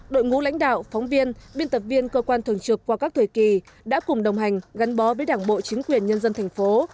đội ngũ lãnh đạo phóng viên biên tập viên cơ quan thường trực qua các thời kỳ đã cùng đồng hành gắn bó với đảng bộ chính quyền nhân dân thành phố